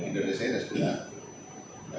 indonesia ini harus dibantu